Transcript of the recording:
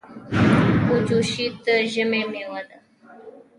اوجوشي د ژمي مېوه ده.